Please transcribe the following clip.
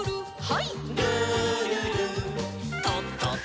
はい。